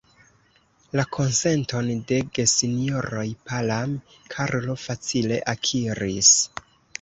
La konsenton de gesinjoroj Palam, Karlo facile akiris.